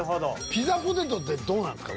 ピザポテトってどうなんですか？